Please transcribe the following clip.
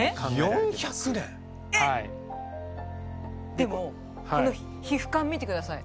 でもこの皮膚感見てください。